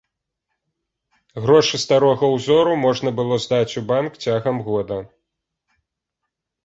Грошы старога ўзору можна было здаць у банк цягам года.